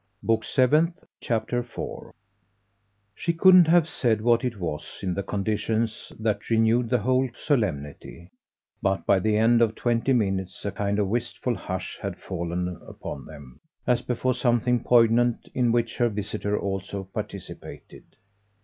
Book Seventh, Chapter 4 She couldn't have said what it was, in the conditions, that renewed the whole solemnity, but by the end of twenty minutes a kind of wistful hush had fallen upon them, as before something poignant in which her visitor also participated.